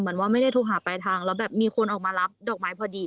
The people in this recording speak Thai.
เหมือนว่าไม่ได้โทรหาปลายทางแล้วแบบมีคนออกมารับดอกไม้พอดี